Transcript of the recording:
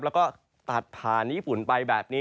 แล้วก็ตัดผ่านญี่ปุ่นไปแบบนี้